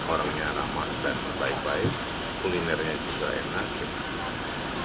orangnya ramah dan baik baik kulinernya bisa enak